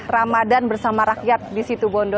ramadan bersama rakyat di situbondo